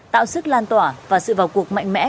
tạo sức lan tỏa và sự vào cuộc mạnh mẽ